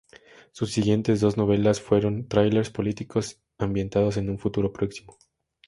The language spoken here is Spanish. Sus siguientes dos novelas fueron thrillers políticos ambientados en un futuro próximo.